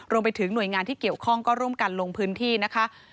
รวมไปถึงหน่วยงานที่เกี่ยวข้องก็ร่วมกันลงพื้นที่นะคะ